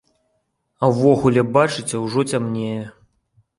А ўвогуле, бачыце, ужо цямнее.